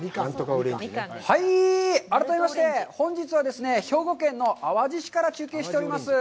改めまして、本日はですね、兵庫県の淡路市から中継しております。